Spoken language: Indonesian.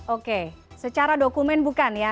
oke secara dokumen bukan ya